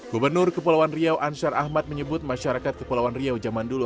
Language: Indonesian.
gubernur kepulauan riau ansar ahmad menyebut masyarakat kepulauan riau zaman dulu